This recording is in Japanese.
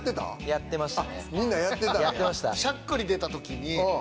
やってました。